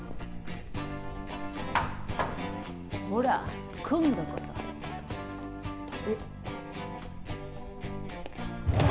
ほら今度こそえっ